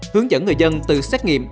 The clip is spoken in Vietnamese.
hướng dẫn người dân từ xét nghiệm